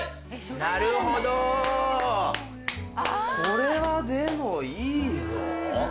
これはでもいいぞ。